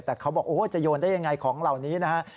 แต่เขาบอกโอ้จะโยนได้ยังไงของเหล่านี้นะฮะ